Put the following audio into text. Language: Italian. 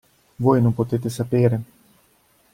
Voi non potete sapere!